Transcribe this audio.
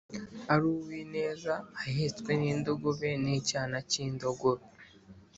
Ari uw’ineza ahetswe n’indogobe N’icyana cy’indogobe.’